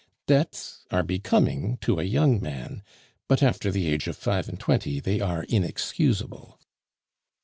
Debts are becoming to a young man, but after the age of five and twenty they are inexcusable.